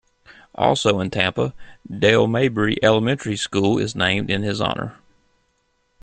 Also in Tampa, Dale Mabry Elementary school is named in his honor.